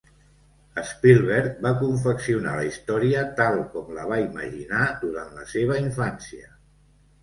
Spielberg va confeccionar la història tal com la va imaginar durant la seva infància.